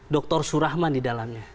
doktor surahman di dalamnya